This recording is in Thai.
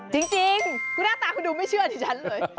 จริงหน้าตาคุณดูไม่เชื่อดิฉันเลย